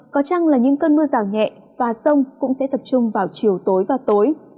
có chăng là những cơn mưa rào nhẹ và sông cũng sẽ tập trung vào chiều tối và tối